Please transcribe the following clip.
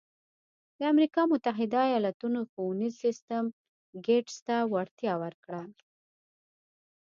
د امریکا متحده ایالتونو ښوونیز سیستم ګېټس ته وړتیا ورکړه.